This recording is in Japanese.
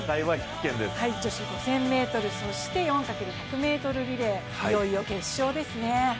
女子５０００ｍ、そして女子１００ｍ×４リレー、いよいよ決勝ですね。